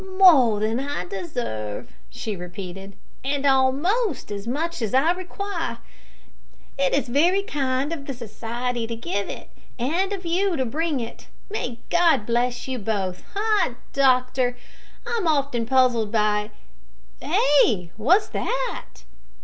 "More than I deserve," she repeated, "and almost as much as I require. It is very kind of the Society to give it, and of you to bring it. May God bless you both! Ah, doctor! I'm often puzzled by eh! What's that?"